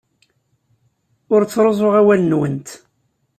Ur ttruẓuɣ awal-nwent.